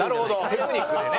テクニックでね！